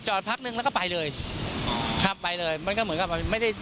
จอดพักนึงแล้วก็ไปเลยครับไปเลยไม่ได้ยินอะไรก็ไปได้เลย